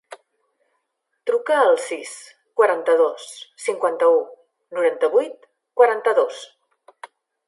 Truca al sis, quaranta-dos, cinquanta-u, noranta-vuit, quaranta-dos.